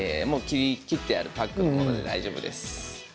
切ってあるパックのもので大丈夫です。